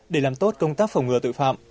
để làm tốt công tác phòng ngừa tội phạm